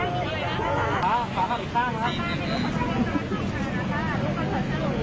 เขาอ่ะจะไปสร้างโทษสลากบ้าเลย